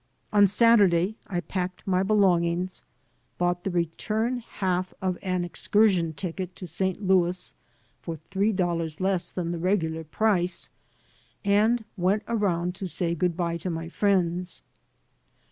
On Saturday I packed my belongings, 195 AN AMERICAN IN THE MAKING bought the return half of an excursion ticket to St. Louis for three dollars less than the regular price, and went around to say good by to my friends.